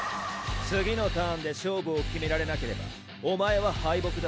次のターンで勝負を決められなければお前は敗北だ。